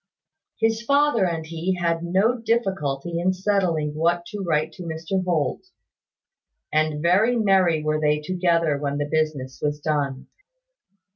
His father and he had no difficulty in settling what to write to Mr Holt; and very merry were they together when the business was done.